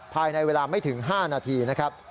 ภายในเวลาไม่ถึง๕นาทีนะครับ